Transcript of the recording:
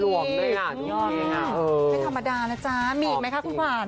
หลวมได้อ่ะยอดไม่ธรรมดานะจ๊ะมีอีกมั้ยคะคุณขวาน